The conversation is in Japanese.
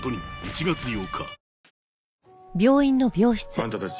あんたたち